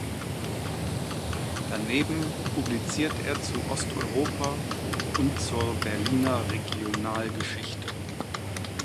Daneben publiziert er zu Osteuropa und zur Berliner Regionalgeschichte.